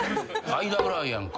間ぐらいやんか。